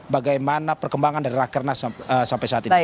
bagaimana perkembangan dari rakernas sampai saat ini